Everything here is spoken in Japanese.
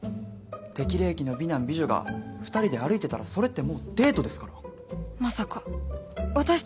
適齢期の美男美女が二人で歩いてたらそれってもうデートですから。